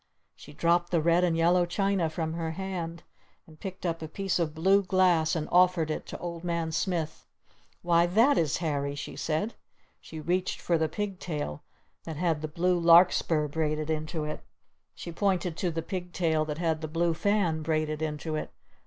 she dropped the red and yellow china from her hand and picked up a piece of blue glass and offered it to Old Man Smith. "Why, that is Harry!" she said. She reached for the pig tail that had the blue Larkspur braided into it. She pointed to the pig tail that had the blue fan braided into it.